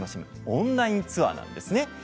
オンラインツアーなんですね。